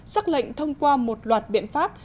xác lệnh thông qua một loạt biện pháp